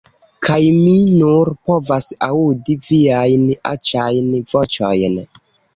"Kaj mi nur povas aŭdi viajn aĉajn voĉojn!"